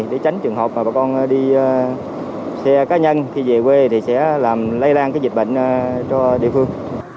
để tránh trường hợp mà bà con đi xe cá nhân khi về quê thì sẽ làm lây lan dịch bệnh cho địa phương